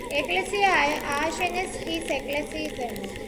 ეკლესია ააშენეს ხის ეკლესიის ზემოთ.